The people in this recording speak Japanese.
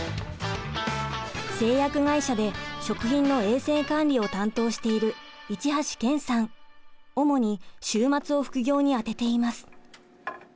製薬会社で食品の衛生管理を担当している主に週末を副業にあてています。